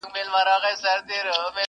o سر څه په لوټه سپېره څه په شدياره٫